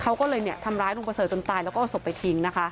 เขาก็เลยทำร้ายลุงประเสริฐจนตายแล้วก็เอาศพไปทิ้งนะคะ